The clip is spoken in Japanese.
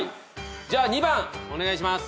じゃあ２番お願いします。